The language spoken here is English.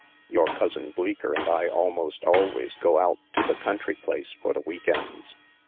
Your Cousin Bleecker and I almost always go out to the country place for the week ends.